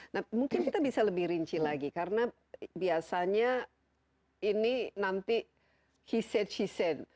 nah mungkin kita bisa lebih rinci lagi karena biasanya ini nanti he said she said